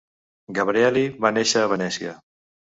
Gabrieli va néixer a Venècia.